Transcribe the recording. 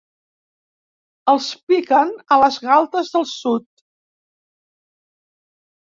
Els piquen a les galtes del sud.